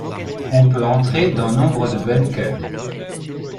On peut entrer dans nombre de bunkers.